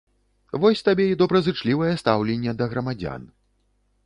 Вось табе і добразычлівае стаўленне да грамадзян.